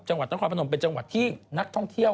จังหวัดนครพนมเป็นจังหวัดที่นักท่องเที่ยว